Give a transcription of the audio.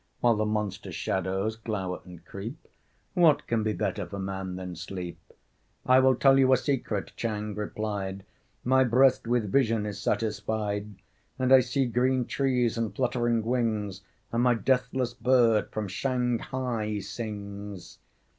While the monster shadows glower and creep, What can be better for man than sleep?" "I will tell you a secret," Chang replied; "My breast with vision is satisfied, And I see green trees and fluttering wings, And my deathless bird from Shanghai sings."